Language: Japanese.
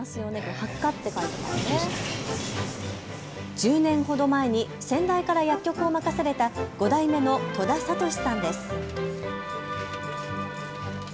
１０年ほど前に先代から薬局を任された５代目の戸田哲司さんです。